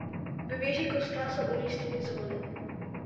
Ve věži kostela jsou umístěny zvony.